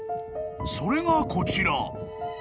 ［それがこちら］